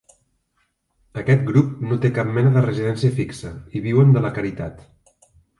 Aquest grup no té cap mena de residència fixa, i viuen de la caritat.